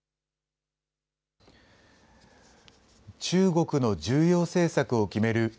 中国の重要政策を決める